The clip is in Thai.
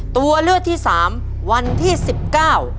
ตัวเลือกที่สามวันที่สิบเก้า